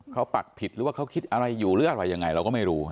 เขาปักผิดหรือว่าเขาคิดอะไรอยู่หรืออะไรยังไงเราก็ไม่รู้